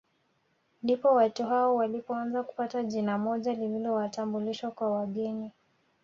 Ndipo watu hao walipoanza kupata jina moja lililowatambulisha kwa wageni